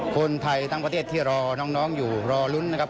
คนไทยทั้งประเทศที่รอน้องอยู่รอลุ้นนะครับ